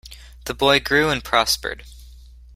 The boy grew and prospered.